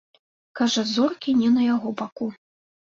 Кажа, зоркі не на яго баку.